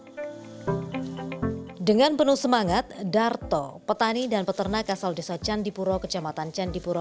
hai dengan penuh semangat darto petani dan peternak asal desa candipuro kecamatan candipuro